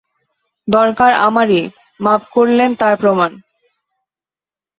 দরকার আমারই, মাপ করলেন তার প্রমাণ।